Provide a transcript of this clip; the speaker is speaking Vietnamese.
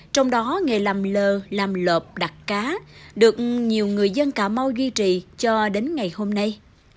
trong đó nghề làm lờ làm lợp đặt cá được nhiều người dân cà mau duy trì cho đến ngày hôm nay